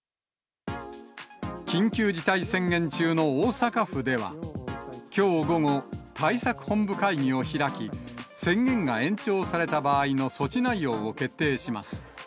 緊急事態宣言中の大阪府では、きょう午後、対策本部会議を開き、宣言が延長された場合の措置内容を決定します。